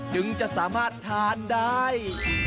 ถึงจะสามารถทานได้